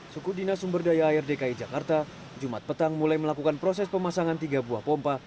suku dinas sumberdaya air dki jakarta jumat petang mulai melakukan proses pemasangan tiga buah pompa